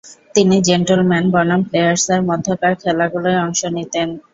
তিনি জেন্টলম্যান বনাম প্লেয়ার্সের মধ্যকার খেলাগুলোয় অংশ নিতেন।